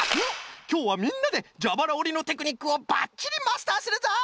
きょうはみんなでじゃばらおりのテクニックをばっちりマスターするぞ！